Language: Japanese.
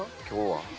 今日は。